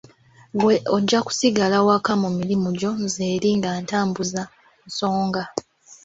Ggwe ojja kusigala waka ku mirimu gyo nze eri nga ntambuza nsonga.